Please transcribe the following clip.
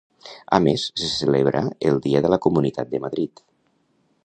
A més, se celebra el Dia de la Comunitat de Madrid.